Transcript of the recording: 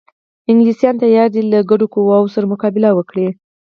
انګلیسیان تیار دي له ګډو قواوو سره مقابله وکړي.